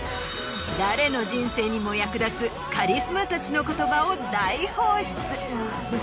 誰の人生にも役立つカリスマたちの言葉を大放出。